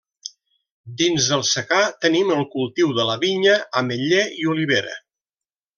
Dins el secà tenim el cultiu de la vinya, ametller i olivera.